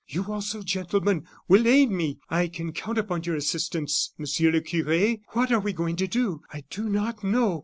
You, also, gentlemen, will aid me. I can count upon your assistance, Monsieur le Cure. What are we going to do? I do not know!